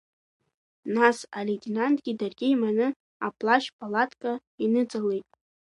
Нас, алеитенантгьы даргьы еиманы аплашьпалатка иныҵалеит.